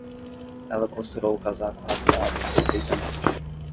Ela costurou o casaco rasgado perfeitamente.